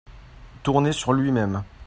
Tourner sur lui-même.